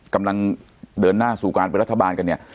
กำลังเดินหน้าสู่การเป็นรัฐบาลกันเนี่ย